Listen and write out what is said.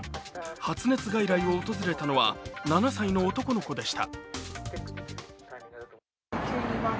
発熱外来を訪れたのは７歳の男の子でした。